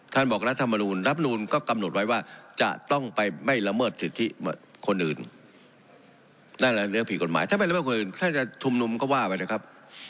ถ้าไม่ละเมิดคนอื่นถ้าจะทุ่มนุมก็ว่าไว้นะครับ